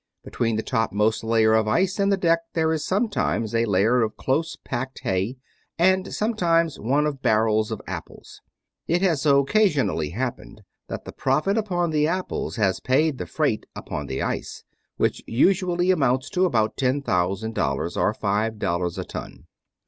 Between the topmost layer of ice and the deck there is sometimes a layer of closely packed hay, and sometimes one of barrels of apples. It has occasionally happened that the profit upon the apples has paid the freight upon the ice, which usually amounts to about ten thousand dollars, or five dollars a ton.